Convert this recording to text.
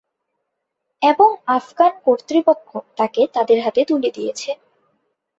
এবং আফগান কর্তৃপক্ষ তাকে তাদের হাতে তুলে দিয়েছে।